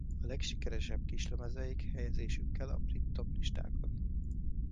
A legsikeresebb kislemezeik helyezésükkel a brit toplistákon.